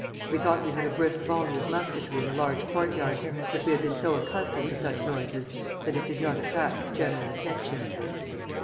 We thought we heard a brisk volley of musketry in the large courtyard, but we had been so accustomed to such noises that it did not attract general attention.